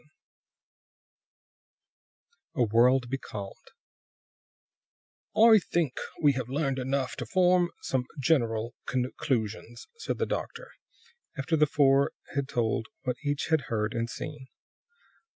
VII A WORLD BECALMED "I think we have learned enough to form some general conclusions," said the doctor, after the four had told what each had heard and seen.